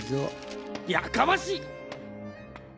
やかましい！